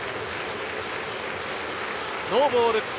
ノーボール２